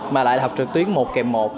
mà lại là học trực tuyến một kèm một